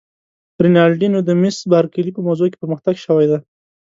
رینالډي: نو د مس بارکلي په موضوع کې پرمختګ شوی دی؟